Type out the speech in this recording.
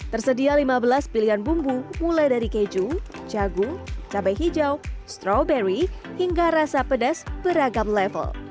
tersedia lima belas pilihan bumbu mulai dari keju jagung cabai hijau strawberry hingga rasa pedas beragam level